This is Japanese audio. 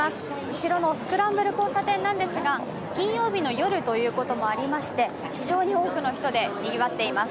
後ろのスクランブル交差点なんですが、金曜日の夜ということもありまして、非常に多くの人でにぎわっています。